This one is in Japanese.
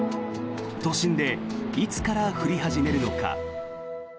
都心でいつから降り始めるのか。